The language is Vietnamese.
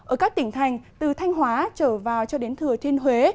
ở các tỉnh thành từ thanh hóa trở vào cho đến thừa thiên huế